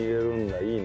いいね。